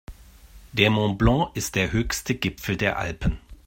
Der Mont Blanc ist der höchste Gipfel der Alpen.